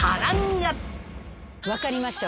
「分かりました